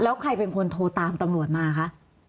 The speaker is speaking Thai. แล้วใครเป็นคนโทรตามตำรวจมาคะ